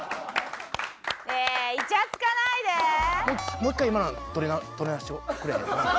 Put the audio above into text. もう１回今の撮り直してくれへん？